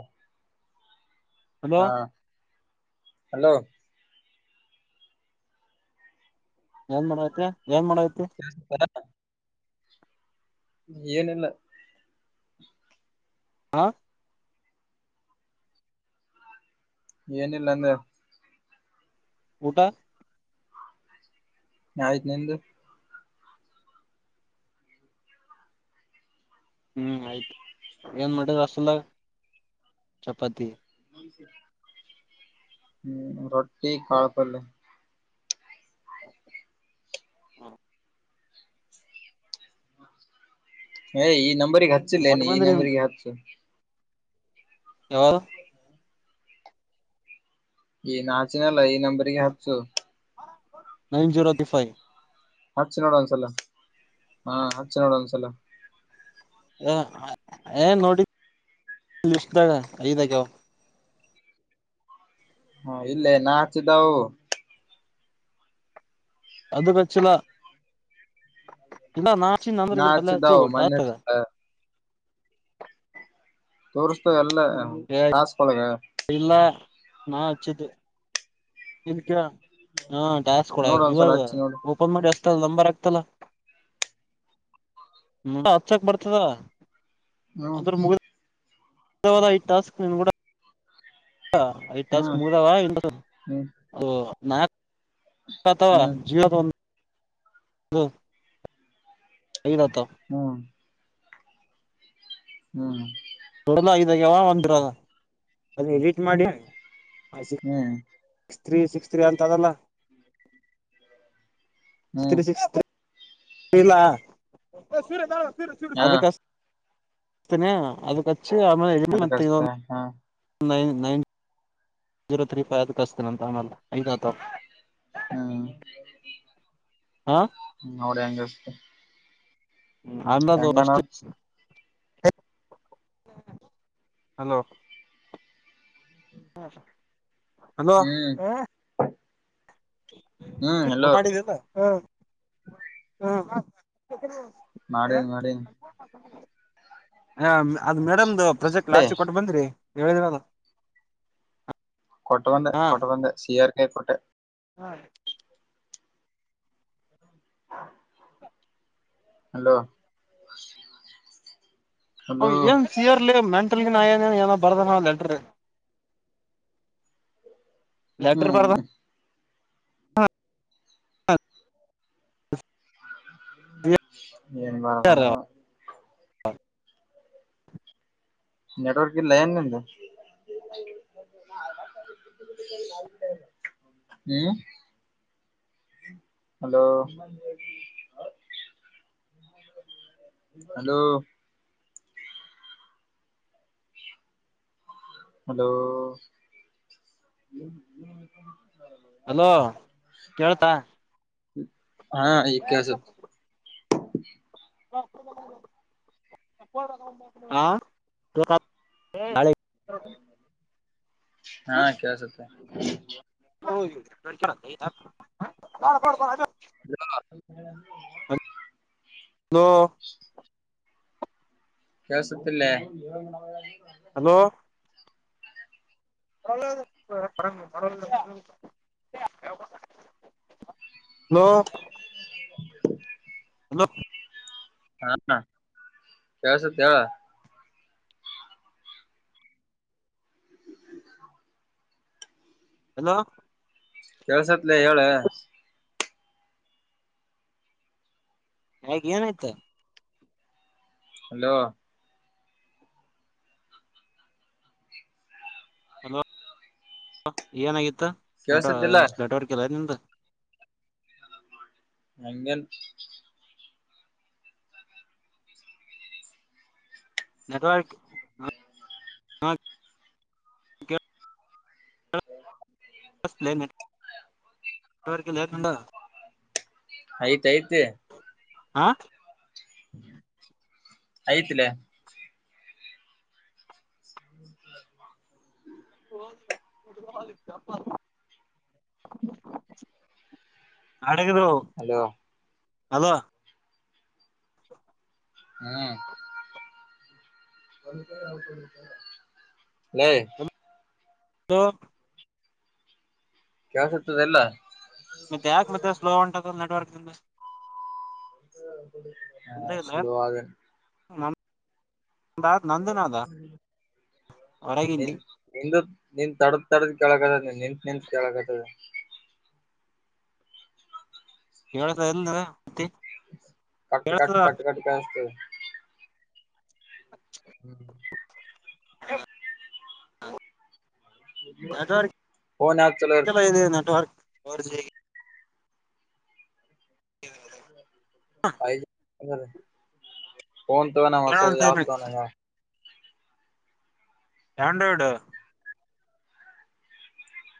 ಹ ಹಲೋ ಹಾ ಹಲೋ, ಏನ್ ಮಾಡತಿ. [unintelligible] ಏನಿಲ್ಲ. ಹಾ, ಏನಿಲ್ಲ ಅಂದೇ. ಊಟಾ, ಆಯ್ತ್ ನಿಂದ. ಹ್ಮ್ ಆಯ್ತು ಏನ್ ಮಾಡಿದ ಹಾಸ್ಟೆಲದಗ. ಚಪಾತಿ, ಹ್ಮ ರೊಟ್ಟಿ ಕಾಳ ಪಲ್ಯಾ. ಹಾ, ಹೇ ಈ ನಂಬರಿಗೆ ಹಚ್ಚಿಲ್ ಲೆ ಕೊಟ್ ಈ ಬಂದ್ರಿ ನಂಬರಿಗಿ ಹಚ್ಚು. ಯಾರ್. ಇಗ್ ನಾ ಹಚ್ಚಿನಿ ಅಲ್ಲ ಈ ನಂಬರ್ಗಿ ಹಚ್ಚು. ನೈನ್ ಜೀರೋ [unintelligible] ಹಚ್ಚಿ ನೋಡು ಒಂದ್ಸಲ, ಹಾ ಹಚ್ಚಿ ನೋಡು ಒಂದ್ಸಲ. ಹೇ ನೋಡಿನಿ ಲಿಸ್ಟ್ಗ ಐದ ಆಗ್ಯಾವ. ಹಾ ಇಲ್ಲೇ ನಾ ಹಚ್ಚಿದ್ದವು, ಅದಕ್ಕ ಹಚ್ಚಿಲ್ ಇಲ್ಲ ನಾ. ನಾ ಹಚ್ಚಿದ್ದವು ಮೊನ್ನೆ [unintelligible] ತೋರಿಸ್ತಾದ ಎಲ್ಲ ಏ ಟಾಸ್ಕ್ ಒಳಗ. ಇಲ್ಲ ನಾ ಹಚ್ಚಿದ್ದು. ಇಲ್ಲಿ ಕೇಳ ಹಾ ಟಾಸ್ಕ್ ಒಳಗ. ನೋಡ ಒಂದ್ಸಲ ಇವಾಗ ಹಚ್ಚಿ ನೋಡು ಓಪನ್ ಮಾಡಿ, ಲಂಬರ್ ಆಗ್ತಲ್ಲ ನ ಬಿಡ್ ಹಚ್ಚಕ್ ಬರ್ತದ. ಹ್ಮ್. ಅಂದ್ರ [unintelligible] ಟಾಸ್ಕ್ ನೀನ್ ಗೂಡ, ಐದ ಟಾಸ್ಕ್ ಹ್ಮ್ ಮುಗ್ದವ [unintelligible] ಅದು ನಾಕ್ ಹ್ಮ್ ಹ್ಮ್ [unintelligible] ಐದ ಆತವ. ಹ್ಮ್. [unintelligible] ಎಡಿಟ್ ಮಾಡಿ ಸಿಕ್ಸ್ ಹ್ಮ್. ತ್ರೀ ಸಿಕ್ಸ್ ತ್ರೀ ಅಂತದಲ್ಲ, ಹ್ಮ್ ತ್ರೀ ಸಿಕ್ಸ್ ಇಲ್ಲ ಹಾ ಅದಕ್ಕ ಹಚ್ಚತಿನಿ [unintelligible] ಅದಕಚ್ಚಿ ಆಮೇಲೆ [unintelligible] ಮತ್ತ ಅದಕ್ಕಷ್ಟೇ ಇನ್ನೊಂದು ಹಾ nine, nine zero three five ಅದ್ ಹಚ್ಚಿತಿನಿ ಅಂತ ಆಮೇಲೆ ಐದ ಆತವ. ಹ್ಮ್. ಹಾ, ಹ್ಮ ನೋಡ್ ಹೆಂಗ್ ಹಚ್ಚ್ತಿ. ಅಂದದು ಕಷ್ಟ ಹಲೋ, [inaudible] ಹ್ಮ್. ಹ್ಮ್ [unintelligible] ಎಲ್ಲೋ ಮಾಡಿದ್ದಿಲ್ಲ ಹ್ಮ ಹ್ಮ ಮಾಡಿನಿ, ಮಾಡನಿ ಹ ಅದ್ ಮೇಡಮ್ದು ಪ್ರೊಜೆಕ್ಟ್ ಏ ಲಾಸ್ಟ್ಗೆ ಕೊಟ್ಟು ಬಂದಿರಿ. ಹೇಳಿದ್ರಲ್ಲ. ಕೊಟ್ಟ ಬಂದೆ ಕೊಟ್ಟ ಬಂದೆ ಸಿಆರ್ ಕೈಗಾ ಕೊಟ್ಟೆ. ಹಾ, ಹಲೋ ಹೌ ಹಲೋ ಎಏನು ಸಿಯರ್ಲ್ಲಿ ಹೋಟನ್ನ ಏನ ಬರ್ದಾರ ಲೆಟರ್ ಲೆಟರ್ ಬರ್ದ ಹ್ಮ್ ಹಾ ನ್ ಬಾರದಾನೆ ಹಾ ನೆಟ್ವರ್ಕ್ ಇಲ್ಲ ಏನ್ದ ಹ್ಮ್ ಹಲೋ ಹಲೋ ಹಲೋ ಹಲೋ ಕೇಳ್ತಾ ಹಾ ಈಗ ಕೇಳಿಸುತ್ತಾ ಹಾ ಪ್ರ ಹ ಹಾ ಕಸುತ್ತ ಹ ನ ನಾ ಹಲೋ ಕೆಲ್ಸುತ್ತಲ್ಲೇ ಹಲೋ ಪರರ ಮರ ಹಲೋ [unintelligible] ಹಲೋ ಹಾ ಕೇಳಿಸುತ್ತದೆ ಹೇಳು ಹಲೋ ಕೆಲ್ಸತ್ಲ ಹೇಳ ಹೇಗ್ ಏನಾಯ್ತಾ ಹಲೋ ಏನಾಗಿತ್ತು ನೆಟ್ ಕೇಳ್ಸತಿಲ್ಲ ನೆಟ್ವರ್ಕ್ಲ್ಲ ನಿಮ್ದು ಅಂಗನ್ ನೆಟ್ವರ್ಕ್ ಹ ಬ ಎವರೆಕ ಲನುಡ ಐತೈತಿ ಹಾ ಆಯ್ತಲೇ ಪ್ಪ ಅಡಗದು ಹಲೋ ಅಲ ಹ್ಮ್ ನ ಹ ಕೆಲಸತದೆ ಎಲ್ಲ ಮ ಯಾಕ ಮತ್ತ ಸ್ಲೋ ಉಂದ ನೆಟ್ವರ್ಕ್ ಕಿಂದ ಹಾ ಸ್ಲೋದನ್ ನ ಹೊರಗಿಂದ ನಿ ನಿ ತಡದ ತಡದ ಕೆಳಕ್ತದ ನಿತ್ ನಿತ್ ಕೆೇಳಕ್ತದೆ ಕೇಳ್ತ ಎಂದ ಮತ್ತಿ ಕಟ್ ಕಟ್ ಕೇಳ್ತದ ಕಟ್ ಕಟ್ ಕೇಳಸ್ತದ ಹ ನೆಟ್ವರ್ಕ್ ಫೋನ್ ಯಾವ್ದ್ ಚಲೋ [unintelligible] network four G [unintelligible] five G phone ತೊಗೊ ಮಸಅದು ಯಾವು ತಗೋಣ ಆಂಡ್ರಾಯ್ಡ್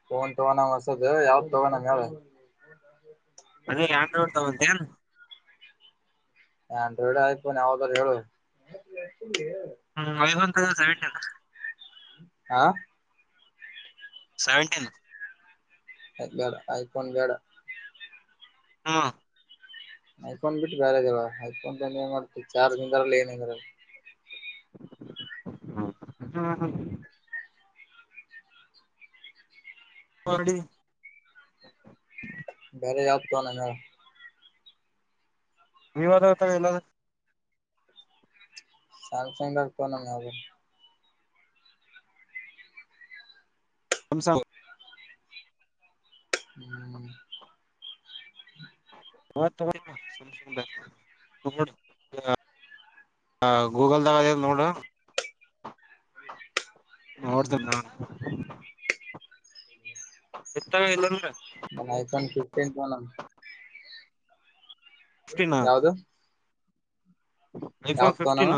ಪೋನ್ ತಗೋಣ ಹೊಸದು ಯಾವ್ದ ತಗೋಣಮ ಹೇಳು ಅದೇ ಆಂಡ್ರಾಯ್ಡ್ ತಗೋಟೆಯ ಏನು ಆಂಡ್ರಾಯ್ಡ್ ಐಫೋನ್ ಯಾವ್ದ್ರೂ ಹೇಳು ಹ್ಮ್ ಐಫೋನ್ ತಗೋ ಸೆವೆಂಟಿನ್ ಹಾ ಸೆವೆಂಟೀನ್ ಅದು ಬೇಡ ಐಫೋನ್ ಬೇಡ ಹ್ಮ್ ಐಫೋನ್ ಬಿಟ್ಟು ಬೇರೆ ಹೇಳ ಐಫೋನ್ ತಗೊಂಡು ಏನ್ ಮಾಡ್ತ ಚಾರ್ಜ್ ನಿಂದ ಇಲ್ಲ ಏನು ಇರಲ [unintelligible] ಫೋರ್ ಡಿ ಬೇರೆ ಯಾವ ಫೋನ್ ಹಾ ಹೇಳು ವಿವೊ ಆದರೂ ತಗೋ ಎಳೆದರೂ ಸ್ಯಾಮಸಂಗ್ ಪೋನ್ ಯಾವದೂ ಸ್ಯಾಮ್ಸಂಗ್ ಹ್ಮ್ ಪೋನ್ ತಗೋ ಸುಮ್ಮ ಸುಮ್ಮನೆ [unintelligible] ಹ ಗೂಗಲ್ದ ಆದ ನೋಡೂ ಹ್ಮ್ ನೋಡ್ತೀನಿ ತಗೋ ಅಣ್ಣ ಎತ್ತಾಗ ಇಲ್ಲಲ್ರ ಹ್ಮ್ ಐಫೋನ್ ಫಿಫ್ಟೀನ್ ತಗೋಣ ಫಿಫ್ಟೀನ್ ಯಾವದೂ ಐಫೋನ್ ಫಿಫ್ಟೀನ್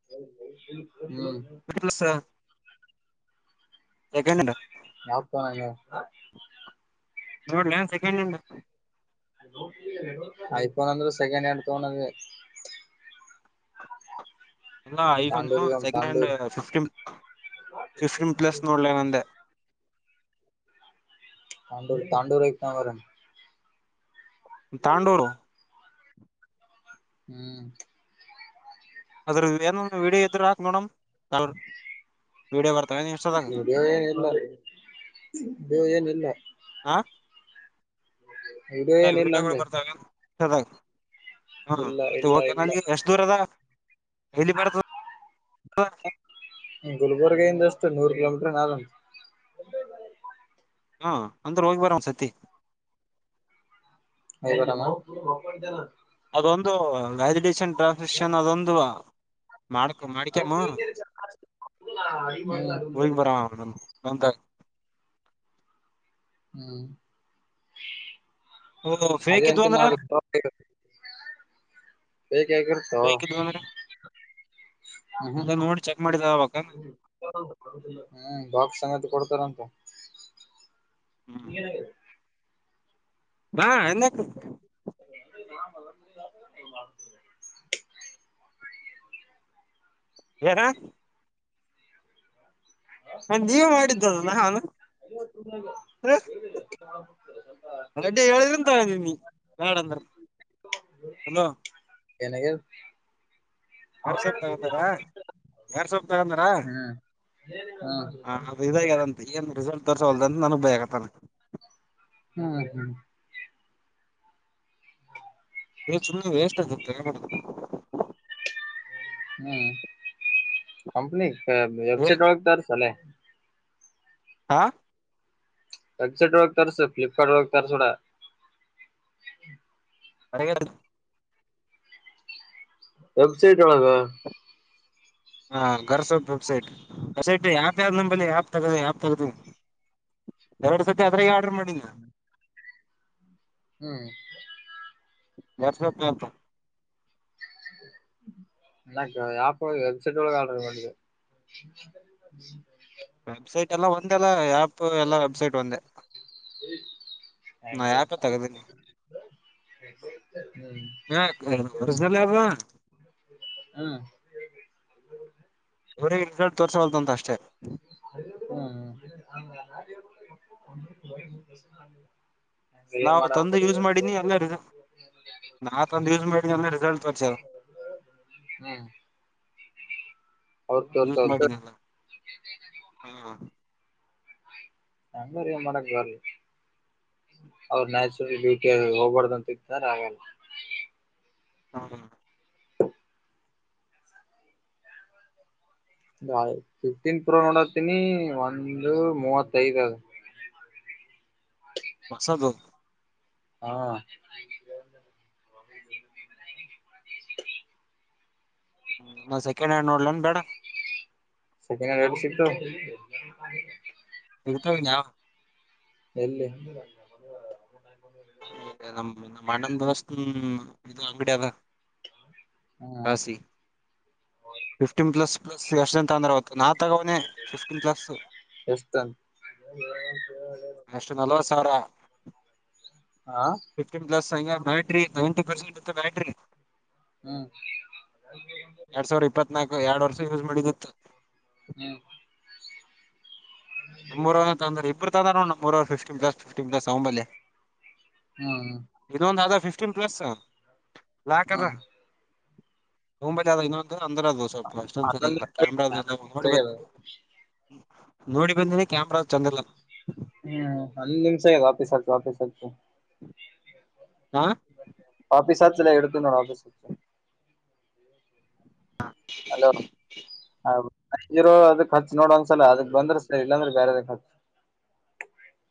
[unintelligible] ಪ್ಲಸ್ ಹ್ಮ ಸೆಕೆಂಡ್ ಹ್ಯಾಂಡ ಯಾವ ಫೋನು ನೋಡ್ಲ ಸೆಕೆಂಡ್ ಹ್ಯಾಂಡ್ ಐಫೋನ್ ಅಂದ್ರೆ ಸೆಕೆಂಡ್ ಹ್ಯಾಂಡ್ ತೋನದೆ ಎಲ್ಲ ಐಫೋನ್ ತಾಂಡೂರಿ ಸೆಕೆಂಡ್ ಹ್ಯಾಂಡ್ ತಾಂಡೂರಿ ಫಿಫ್ಟೀನ್ ಫಿಫ್ಟೀನ್ ಪ್ಲಸ್ ನೋಡ್ಲೇನಂದೆ ತಾಂಡೂರು ತಾಂಡೂರು ಐತನವರ ತಾಂಡೂರು ಹ್ಮ್ ಅದ್ರನ ವೀಡಿಯೋ ಇಡೀ ಹಾಕ ನೋಡಮ್ ವೀಡಿಯೋ ಬರ್ ವಿಡಿಯೋ ಏನು ಇಲ್ಲ [unintelligible] ಇದು ಏನು ಇಲ್ಲ ಎ ಏನಿಲ್ಲ ವೀಡಿಯೋಗಳು ಅಂದೆ ಬರ್ತಾವದಾಗ ಇಲ್ಲ ಇಲ್ಲ [unintelligible] ಇಲ್ಲ ನನಗೆ ಎಷ್ಟ್ ದೂರ ಅದ ಇಲ್ಲಿಬರ್ತಾದೆ [unintelligible] ಗುಲ್ಬುರ್ಗ ಇಿಂದ ಅಷ್ಟು ನೂರ್ ಕಿಲೋಮೀಟ್ರ [unintelligible] ಹಾ ಅಂದ್ರೆ ಹೋಗಿ ಬರಮಾ ಒಂದು ಸತಿ [unintelligible] ಇದು ಒಂದು ವ್ಯಾಲಿಡೇಶನ್ ಟ್ರಾನ್ಸ್ಮಿಷನ್ ಅದೊಂದು ಮಾಡಡಕ ಮಾಡಡಿಕಾಮ ಹೋಗೆ ಬರಮ [unintelligible] ನಂತರ ಹ್ಮ್ ಓ ಫೇಕ್ ಅದೇ ಇದ್ವು ಅಂತ ಅಂದ್ರ ನಾ [unintelligible] ಬೈಕ್ ಎಗ್ಗಿರಿಸು ಫೇಕ್ ಇದ್ವು ಅಂದ್ರ ಎಲ್ಲ ನೋಡಿ ಚೆಕ್ ಮಾಡ ಹ್ಮ ಬಾಕ್ಸ್ ಸಂಗತಿ ಕೊಡ್ತಾರಂತ ನೀನ ಭಾ [unintelligible] ಏನ ಮ ನೀವ ಮಾಡಿದ್ದದಲ್ಲ ನಾನು [unintelligible] ಸ್ವಲ್ಪ ಯಡ ಅಂದ್ರ ಹಲೋ ಎನೆಗೆ ಗಾರ್ ಸೊಪ್ ತಗೊಂಡಾರಾ ಗಾರ್ ಸೊಪ್ ತಗೊಂಡಾರಾ ಹ್ಮ್ ಹ್ಮ್ ಹ ಅದು ಇದಾಗ್ಯದಂತ ಏನ್ ರಿಸಲ್ಟ್ ತೋರ್ಸಲ್ದ ಅಂತ ನನ ಬ ಆಗತ್ತ ಅಲ್ಲ ಹ್ಮ್ ಹ್ಮ ಏ ಸುಮ್ನೆ ವೇಸ್ಟ್ ಆಗಬೇಡ ಹ್ಮ್ ಕಂಪನಿ ಏ ವೆಬ್ಸೈಟ್ ತಾರ ಸಾಲೇ ಹಾ ವೆಬಸೈಟ್ ತರ್ಸು ಫ್ಲಿಪ್ಕಾರ್ಟ್ ನಾಗ ತರ್ಸ್ಬೇಡ ಅಡರಗೆ ವೆಬ್ಸೈಟ್ ಒಳಗ ಹಾ ಗರ್ಸೊಪ್ ವೆಬ್ಸೈಟ್ ವೆಬ್ಸೈಟ್ ಯಾಪ್ ಯಾವ್ದ ನಂಬಲ್ಲಿ ಯಪ್ ತಗ ಯಪ್ ತಗ್ದ ಎರಡು ಸತಿ ಅದ್ರಾಗ ಆರ್ಡರ್ ಮಾಡಿನ ಹ್ಮ್ ವಾಟ್ಸ್ನೆ ಪಂತ ಯಪ ವಬ್ಸೈಟ್ ಒಳಗೆ ಆರ್ಡರ್ ಮಾಡಿದೆ ವೆಬ್ಸೈಟ್ ಎಲ್ಲ ಒಂದೇಲ್ಲ ಆ್ಯಪ್ ಎಲ್ಲ ವೆಬ್ಸೈಟ್ ಒಂದೇ ಹ್ಮ ನಾ ಯಾರಪ್ಪ ತಗದನ ಹ್ಮ್ ಹ [unintelligible] ಹಾ ಇವ್ರರಿಗೆ ರಿಸಲ್ಟ್ ತೋರ್ಲ್ದು ಅಂತ ಅಷ್ಟೇ ಹ [unintelligible] ನಾವು ತಂದು ಯೂಸ್ ಮಾಡೀನಿ ಎಲ್ಲ ನಾತ ನ್ಯೂಸ್ ಮೀಡಿಯಲ್ಲಿ ರಿಸಲ್ಟ್ ತೋರ್ಸರ ಹ್ಮ್ ಅವ ತೋರ್ ಯೂಸ್ ಮಾಡಿನಿ [unintelligible] ಎಲ್ಲ ಹಾ ಹಂಗ್ರ ಮಾಡಕ್ ಬರಿ ಅವ್ರ ನ್ಯಾಚುರಲ್ ಬಟ ಹೋಗ್ಬಾರ್ದಂತ್ದಾರ ಹಾಗೆಲ್ಲ ಹ್ಮ್ ಫಿಫ್ಟೀನ್ ಪ್ರೋ ನೋಡತನಿ ಒಂದು ಮೂವತ್ತಐದ್ ಅದು ಹೊಸದು ಹಾ ನಾವ್ ಸೆಕೆಂಡ್ ಹ್ಯಾಂಡ್ ನೋಡ್ಲನ್ ಬೇಡ ಸೆಕಿನ ಸಿಗ್ಕ್ಕು ಇರ್ತವ [unintelligible] ಎಲ್ಲಿ ನಮ್ಮ್ ನಮ್ಮ ಅಣ್ಣನ್ ದವಸ್ತ್ ಇದು ಅಂಗಡಿ ಅದ ಹ ಹ್ಮ್ ಸಿ ಫಿಫ್ಟೀನ್ ಪ್ಲಸ್ ಪ್ಲಸ್ ಎಷಂತ ಅಂದ್ರತ್ತು ನಾ ಕೊಂತಗನೆ ಫಿಫ್ಟೀನ್ ಪ್ಲಸ್ ಎಷ್ಟಂತ ಎಷ್ಟು ನಲ್ವತ್ತು ಸಾವಿರ ಹಾ ಫ್ಟೀನ್ ಪ್ಲಸ್ ಆ ನ ನಂಟಿ ಪರ್ಸೆಂಟ್ ಬ ಬ್ಯಾಟ್ರಿ ಹ್ಮ್ ಎರಡ್ ಸಾವಿರ ಇಪ್ಪನಾ ಹ್ಮ ನಮ್ಮೂರವ್ ತಂದ್ರ ಇಬ್ಬರು ತಂದ್ರ ನಮ್ಮೂರವರು ಫಿಫ್ಟೀನ್ ಪ್ಲಸ್ ಫಿಫ್ಟೀನ್ ಪ್ಲಸ್ ಅಂಬಲ್ಲಿ ಹ್ಮ್ ಇದೊಂದ ಅ ಫಿಫ್ಟೀನ್ ಪ್ಲಸ್ ಲಾಕ್ ಅದ ಹ್ಮ್ ಹಂಬ ಜ ಇ ನ ಅಂತ ತೊಂದ್ರ ಅದದು ಸ್ವಲ್ಪ ಅಷ್ಟೊಂದ ಹನ್ನೊಂದು ಸರಿಗಿಲ್ಲ ಕ್ಯಾಮ್ರ ನಿಮಿಷ ನೋಡಿಬೇಕು ನೋಡಿ ಬಂದಿ ಕ್ಯಾಮ್ರಾ ಚಂದಲ್ಲ ಹ್ಮ್ ಅಲ್ಲಿ ನಿಮ್ಷ ವಾಪೀಸ್ ಆತು ವಾಪೀಸ್ ಆಗ್ತು ಹಾ ಆಫೀಸ್ ಹಚ್ಚಲ್ಲ ಎತ ನೋಡ ಆಫೀಸ್ ಹು ಹಲೋ ಹ ಇರೋ ಅದಕ್ ಖರ್ಚು ನೋಡ ಒಂದ್ಸಲ ಅದಕ್ ಬಂದ್ರ ಸ ಇಲ್ಲಾಂದ್ರೆ ಬೇರೆ ಅದಖರ್ಚು ಹ